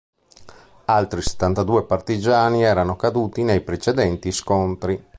Altri settantadue partigiani erano caduti nei precedenti scontri.